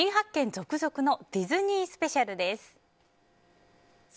続々のディズニースペシャルです。